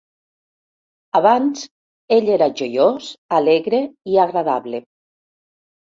Abans, ell era joiós, alegre i agradable.